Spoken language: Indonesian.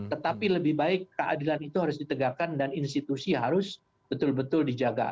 tetapi lebih baik keadilan itu harus ditegakkan dan institusi harus betul betul dijaga